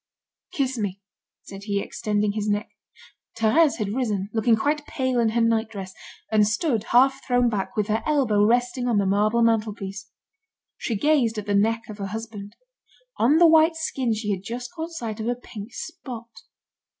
"Kiss me," said he, extending his neck. Thérèse had risen, looking quite pale in her nightdress, and stood half thrown back, with her elbow resting on the marble mantelpiece. She gazed at the neck of her husband. On the white skin she had just caught sight of a pink spot.